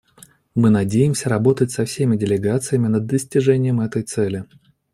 Мы надеемся работать со всеми делегациями над достижением этой цели.